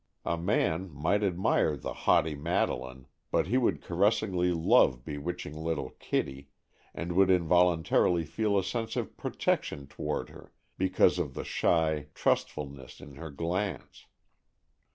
A man might admire the haughty Madeleine, but he would caressingly love bewitching little Kitty, and would involuntarily feel a sense of protection toward her, because of the shy trustfulness in her glance.